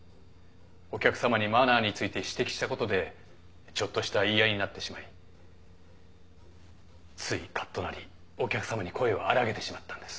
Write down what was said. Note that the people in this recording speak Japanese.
お客さまにマナーについて指摘したことでちょっとした言い合いになってしまいついカッとなりお客さまに声を荒らげてしまったんです。